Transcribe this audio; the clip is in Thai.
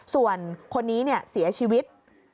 ส่วนคนนี้เสียชีวิต